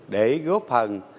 để góp phần